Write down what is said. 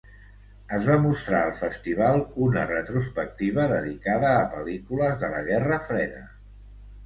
Es va mostrar al festival una retrospectiva dedicada a pel·lícules de la Guerra Freda.